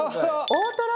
大トロ！？